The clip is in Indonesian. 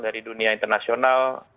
dari dunia internasional